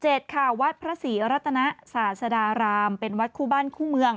วัดพระศรีรัตนศาสดารามเป็นวัดคู่บ้านคู่เมือง